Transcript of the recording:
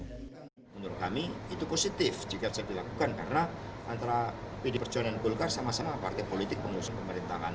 menurut kami itu positif jika bisa dilakukan karena antara pdi perjuangan dan golkar sama sama partai politik pengusung pemerintahan